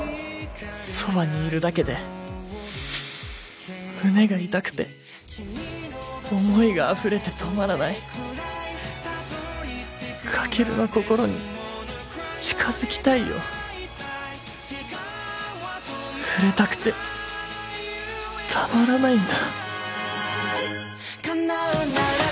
そばにいるだけで胸が痛くて思いがあふれて止まらないカケルの心に近づきたいよ触れたくてたまらないんだ